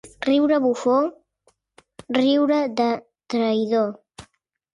Riure bufó, riure de traïdor.